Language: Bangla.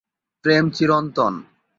প্রেম চিরন্তন!